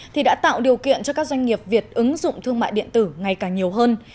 thì đã tạo điều kiện cho các doanh nghiệp việt ứng dụng thương mại điện tử ngày càng nhiều hơn